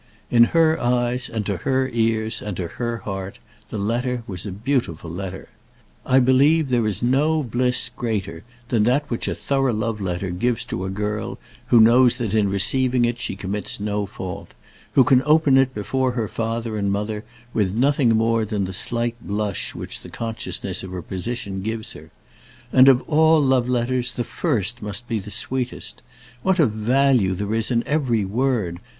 In her eyes, and to her ears, and to her heart, the letter was a beautiful letter. I believe there is no bliss greater than that which a thorough love letter gives to a girl who knows that in receiving it she commits no fault, who can open it before her father and mother with nothing more than the slight blush which the consciousness of her position gives her. And of all love letters the first must be the sweetest! What a value there is in every word!